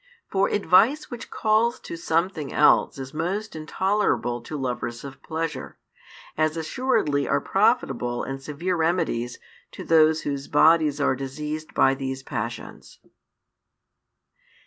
For advice which calls to something else is most intolerable to lovers of pleasure, as assuredly are profitable and severe remedies to those whose bodies are diseased by these passions.